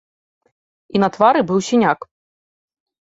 І на твары быў сіняк.